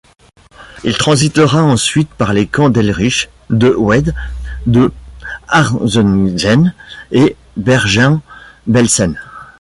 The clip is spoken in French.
Il transitera ensuite par les camps d'Ellrich, de Wied, de Harzungen et Bergen-Belsen.